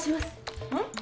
うん？